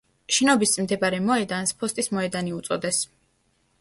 შენობის წინ მდებარე მოედანს „ფოსტის მოედანი“ უწოდეს.